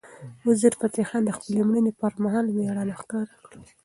وزیرفتح خان د خپلې مړینې پر مهال مېړانه ښکاره کړه.